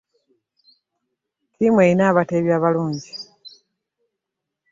Ttimu erina abateebi abalungi.